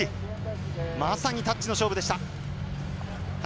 まさにタッチの勝負でした。